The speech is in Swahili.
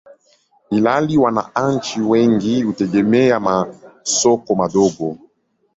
ilhali wananchi wengi hutegemea masoko madogo.